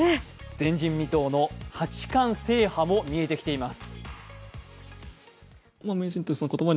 前人未到の八冠制覇も見えてきています。